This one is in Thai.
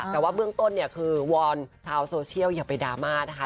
แต่ว่าเบื้องต้นเนี่ยคือวอนชาวโซเชียลอย่าไปดราม่านะคะ